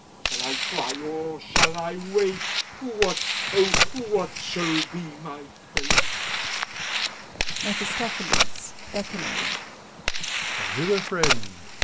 Shall I fly, or shall I wait? What, O what shall be my fate! MEPHiSTOPHELBS (beckoning). 'Come hither, Friend!